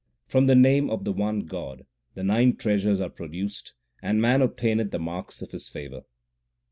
From the name of the one God the nine treasures are produced, and man obtaineth the marks 2 of His favour.